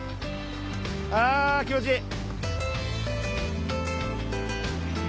あ気持ちいい！